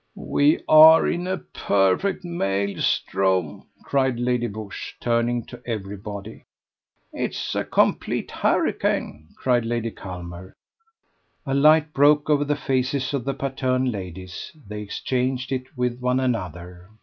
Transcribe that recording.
"We are in a perfect maelstrom!" cried Lady Busshe, turning to everybody. "It is a complete hurricane!" cried Lady Culmer. A light broke over the faces of the Patterne ladies. They exchanged it with one another.